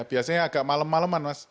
biasanya agak malem maleman mas